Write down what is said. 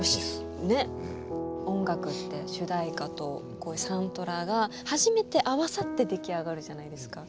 音楽って主題歌とこういうサントラが初めて合わさって出来上がるじゃないですか。